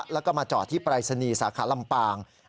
แล้วก็มาจอดที่ปรายศนีย์สาขาลำปาง